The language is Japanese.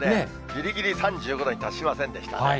ぎりぎり３５度に達しませんでした。